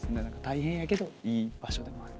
大変やけどいい場所でもある。